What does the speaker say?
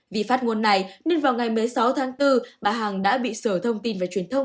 vì phát ngôn này nên vào ngày một mươi sáu tháng bốn bà hằng đã bị sở thông tin và truyền thông